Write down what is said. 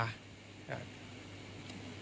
จริง